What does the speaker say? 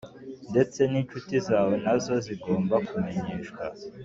ndetse ninshuti zawe nazo zigomba kumenyeshwa